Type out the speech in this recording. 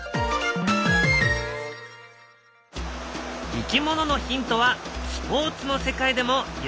いきもののヒントはスポーツの世界でも役立っている。